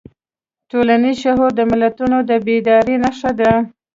ټولنیز شعور د ملتونو د بیدارۍ نښه ده.